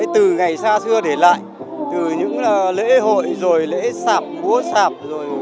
từ ngày xa xưa để lại từ những lễ hội rồi lễ sạp búa sạp